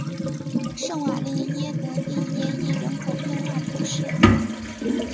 圣瓦利耶德蒂耶伊人口变化图示